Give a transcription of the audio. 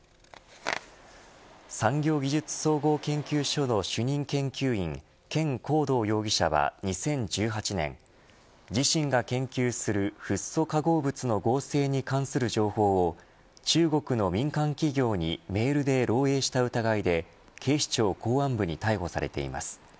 産業技術総合研究所の主任研究員権恒道容疑者は２０１８年自身が研究するフッ素化合物の合成に関する情報を中国の民間企業にメールで漏えいした疑いで警視庁公安部に逮捕されています。